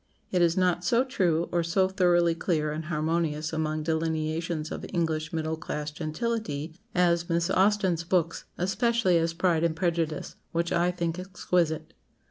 It is not so true or so thoroughly clear and harmonious among delineations of English middle class gentility as Miss Austen's books, especially as 'Pride and Prejudice,' which I think exquisite."